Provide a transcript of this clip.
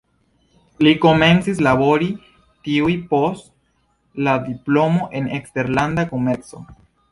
Li komencis labori tuj post la diplomo en eksterlanda komerco.